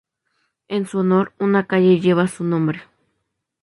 En su honor una calle lleva su nombre.